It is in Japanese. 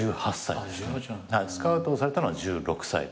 スカウトをされたのは１６歳。